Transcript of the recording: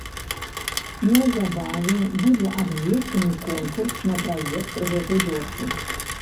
Неўзабаве будзе абвешчаны конкурс на праект гэтай дошкі.